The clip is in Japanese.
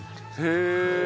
へえ！